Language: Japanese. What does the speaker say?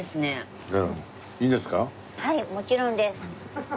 はいもちろんです。